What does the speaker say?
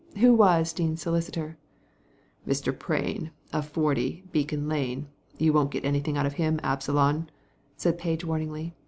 Who was Dean's solicitor ?"" Mr. Frain, of 40, Bacon Lane. You won't get anything out of him, Absalom/' said Parge, warningly.